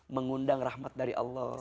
mengundang rahmat dari allah